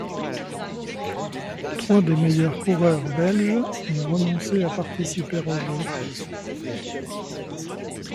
Trois des meilleurs coureurs belges ont renoncé à participer aux Jeux.